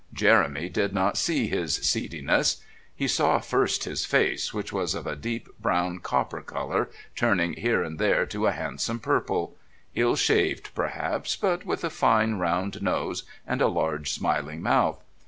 Jeremy did not see his "seediness." He saw first his face, which was of a deep brown copper colour, turning here and there to a handsome purple; ill shaved, perhaps, but with a fine round nose and a large smiling mouth.